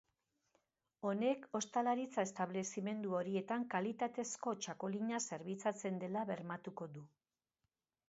Honek ostalaritza establezimendu horietan kalitatezko txakolina zerbitzatzen dela bermatuko du.